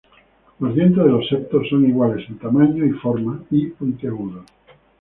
Los dientes de los septos son iguales en tamaño y forma, y puntiagudos.